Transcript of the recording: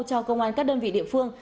cho công an các đơn vị địa phương